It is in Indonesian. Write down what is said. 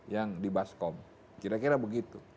yang di baskom kira kira begitu